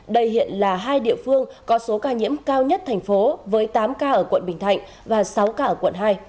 đây hiện là hai địa phương có số ca nhiễm cao nhất thành phố với tám ca ở quận bình thạnh